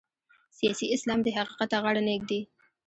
سیاسي اسلام دې حقیقت ته غاړه نه ږدي.